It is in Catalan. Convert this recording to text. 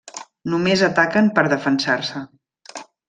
Només ataquen per defensar-se.